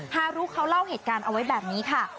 ฮารุเขาเล่าเหตุการณ์เอาไว้แบบนี้ค่ะ